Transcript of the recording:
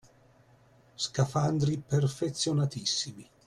Scafandri perfezionatissimi